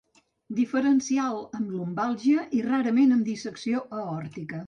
Diferencial amb lumbàlgia i, rarament, amb dissecció aòrtica.